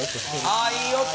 ああいい音！